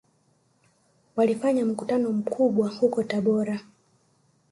Walifanya mkutano mkubwa huko Tabora